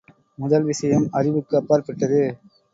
முதல் விஷயம் அறிவுக்கு அப்பாற்பட்டது.